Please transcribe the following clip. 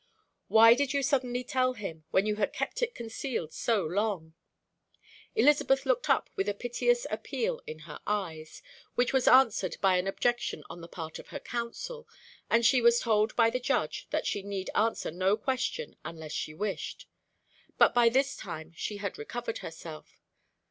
"Why did you suddenly tell him, when you had kept it concealed so long?" Elizabeth looked up with a piteous appeal in her eyes, which was answered by an objection on the part of her counsel, and she was told by the Judge that she need answer no question unless she wished. But by this time she had recovered herself.